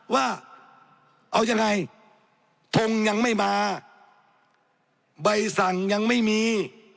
ว่าเอายังไงทงยังไม่มาใบสั่งยังไม่มี